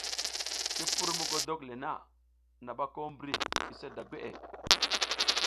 Ki pur mogodok le na, naɓa ko mbri use da gweʼe.